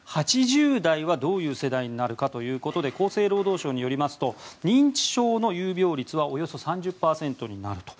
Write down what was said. ８０代はどういう世代になるかということで厚生労働省によりますと認知症の有病率はおよそ３０％になると。